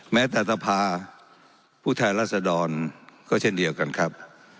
แม้แต่สภาผู้แทนรัศดรก็เช่นเดียวกันครับ